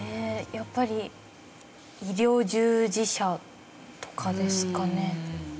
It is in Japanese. やっぱり医療従事者とかですかね？